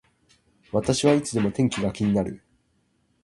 私はいつでも天気が気になる